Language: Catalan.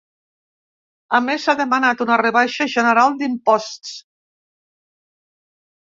A més, ha demanat una rebaixa general d’imposts.